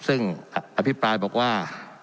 ซึ่งอภิปรายบอกว่า